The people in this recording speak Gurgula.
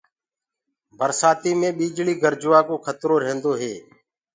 برسآتي مي بجلي گرجوآ ڪو کترو رهيندو هي۔